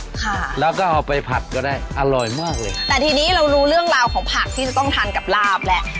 ค่ะแล้วก็เอาไปผัดก็ได้อร่อยมากเลยแต่ทีนี้เรารู้เรื่องราวของผักที่จะต้องทานกับลาบแหละ